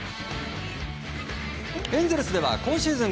エンゼルスでは今シーズン